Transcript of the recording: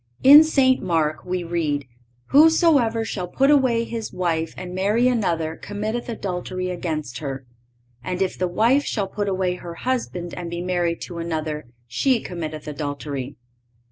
In St. Mark we read: "Whosoever shall put away his wife and marry another committeth adultery against her. And if the wife shall put away her husband and be married to another she committeth adultery."